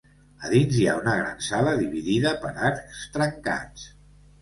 A dins hi ha una gran sala dividida per arcs trencats.